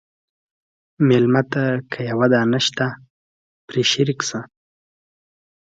مېلمه ته که یوه دانه شته، پرې شریک شه.